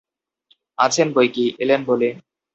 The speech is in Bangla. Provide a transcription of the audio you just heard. আছেন বৈকি, এলেন বলে।